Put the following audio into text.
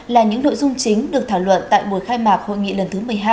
là những nội dung chính được thảo luận tại buổi khai mạc hội nghị lần thứ một mươi hai